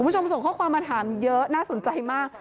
คุณผู้ชมส่งข้อความมาถามเยอะน่าสนใจมาก